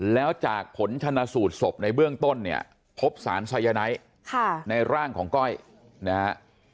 แล้วจากผลชนะสูตรศพในเบื้องต้นเนี่ยพบสารไซยาไนท์ในร่างของก้อยนะฮะ